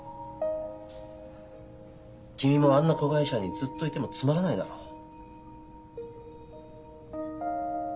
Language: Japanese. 君もあんな子会社にずっといてもつまらないだろ。